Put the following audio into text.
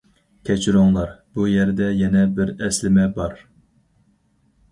كەچۈرۈڭلار، بۇ يەردە يەنە بىر ئەسلىمە بار.